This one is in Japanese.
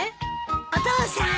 お父さん。